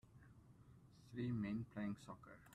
Three men playing soccer.